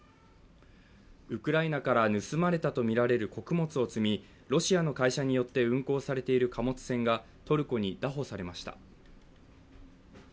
ウクライナから盗まれたとみられる穀物を積み、ロシアの会社によって運航されている貨物船がトルコに拿捕されました。